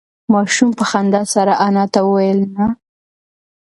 ماشوم په خندا سره انا ته وویل نه.